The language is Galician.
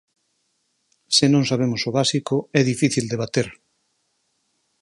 Se non sabemos o básico é difícil debater.